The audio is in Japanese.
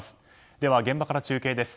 では現場から中継です。